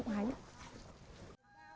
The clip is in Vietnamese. rau cải mèo ạ